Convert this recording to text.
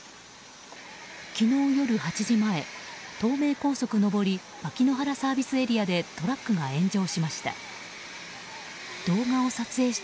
昨日夜８時前東名高速上り牧之原ＳＡでトラックが炎上しました。